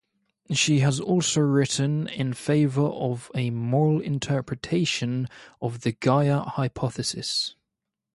She has also written in favour of a moral interpretation of the Gaia hypothesis.